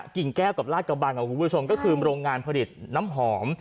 กิ่งแก้วกับลาดกะบากของผู้วิวชมก็คือโรงงานผลิตน้ำหอม